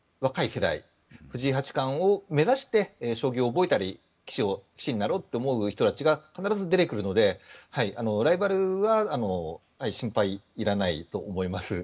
世代藤井八冠を目指して将棋を覚えたり棋士になろうという人たちが必ず出てくるので、ライバルは心配いらないと思います。